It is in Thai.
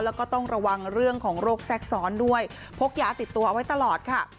แล้วก็ต้องระวังเรื่องของโรคแทรกซ้อนด้วยพกยาติดตัวเอาไว้ตลอดค่ะ